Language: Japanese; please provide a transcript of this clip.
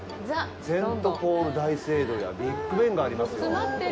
セント・ポール大聖堂やビッグベンがありますよ。